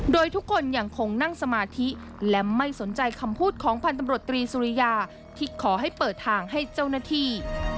โดยทุกคนยังคงนั่งสมาธิและไม่สนใจคำพูดของพันธบรตรีสุริยาที่ขอให้เปิดทางให้เจ้าหน้าที่